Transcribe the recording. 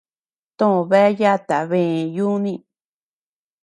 To bea yata bëe yúuni.